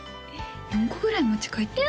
４個ぐらい持ち帰ってる？